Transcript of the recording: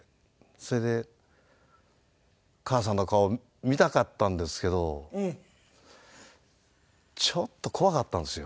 それで母さんの顔見たかったんですけどちょっと怖かったんですよ